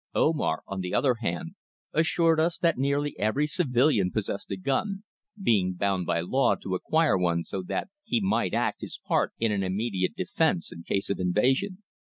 Omar, on the other hand, assured us that nearly every civilian possessed a gun, being bound by law to acquire one so that he might act his part in an immediate defence in case of invasion.